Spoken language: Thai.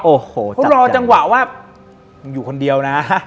โอ้โหเจ็บจังเพราะรอจังหวะว่าอยู่คนเดียวน่ะ